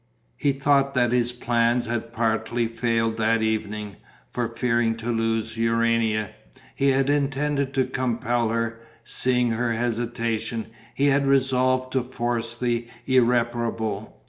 He thought that his plans had partly failed that evening, for, fearing to lose Urania, he had intended to compel her; seeing her hesitation, he had resolved to force the irreparable.